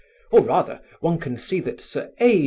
Or rather one can see that Sir A.